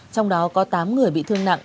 trong đó có tám người bị thương nặng